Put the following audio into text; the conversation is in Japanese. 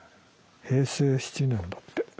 平成７年だって。